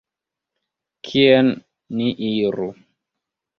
Kien ni iru?